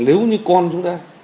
nếu như con chúng ta